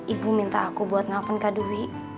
ibu minta aku buat nelfon kak dwi